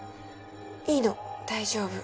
いいの大丈夫。